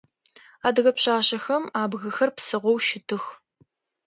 Адыгэ пшъашъэхэм абгыхэр псыгъоу щытых.